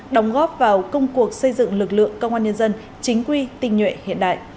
đóng góp vào công cuộc xây dựng lực lượng công an nhân dân chính quy tình nhuệ hiện đại